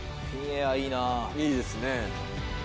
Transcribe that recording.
いいですね。